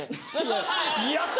ややった！